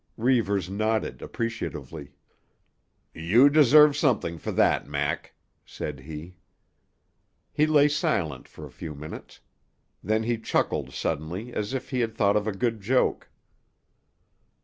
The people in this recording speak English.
Reivers nodded appreciatively. "You deserve something for that, Mac," said he. He lay silent for a few minutes. Then he chuckled suddenly as if he had thought of a good joke.